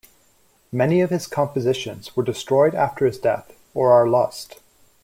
Many of his compositions were destroyed after his death, or are lost.